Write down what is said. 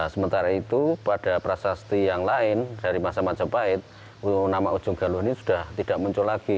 sementara itu pada prasasti yang lain dari masa majapahit nama ujung galuh ini sudah tidak muncul lagi